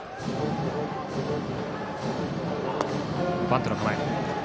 バントの構え。